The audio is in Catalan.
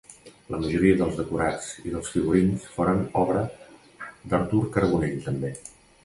La majoria dels decorats i dels figurins foren obra d'Artur Carbonell, també.